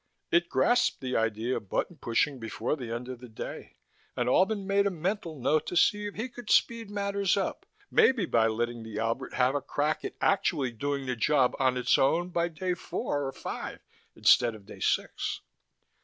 It grasped the idea of button pushing before the end of the day, and Albin made a mental note to see if he could speed matters up, maybe by letting the Albert have a crack at actually doing the job on its own by day four or five instead of day six.